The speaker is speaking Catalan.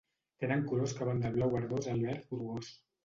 Tenen colors que van del blau verdós al verd grogós.